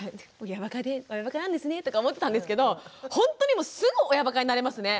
「親ばかなんですね」とか思ってたんですけどほんとにすぐ親ばかになれますね。